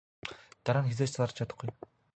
Дараа нь хэзээ ч зарж чадахгүй.